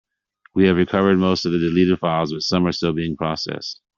We have recovered most of the deleted files, but some are still being processed.